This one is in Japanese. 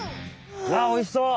わあおいしそう！